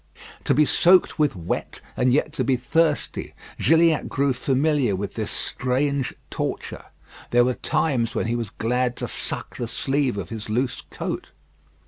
To be soaked with wet, and yet to be thirsty: Gilliatt grew familiar with this strange torture. There were times when he was glad to suck the sleeve of his loose coat.